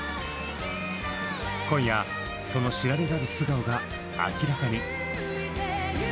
今夜その知られざる素顔が明らかに！